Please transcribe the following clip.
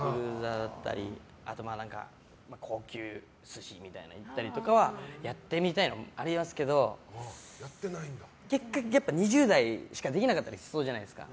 あとは、高級寿司みたいなの行ったりとかはやってみたいなっていうのはありますけど結果、２０代しかできなかったりしそうじゃないですか。